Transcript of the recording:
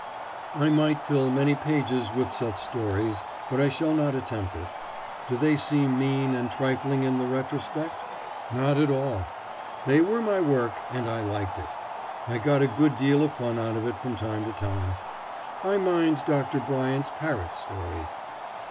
I might fill many pages with such stories, but I shall not attempt it. Do they seem mean and trifling in the retrospect? Not at all. They were my work, and I liked it. And I got a good deal of fun out of it from time to time. I mind Dr. Bryant's parrot story. Dr.